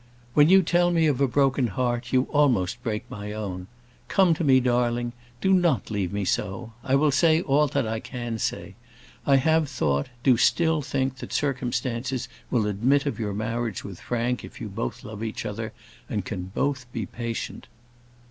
"When you tell me of a broken heart, you almost break my own. Come to me, darling; do not leave me so. I will say all that I can say. I have thought, do still think, that circumstances will admit of your marriage with Frank if you both love each other, and can both be patient."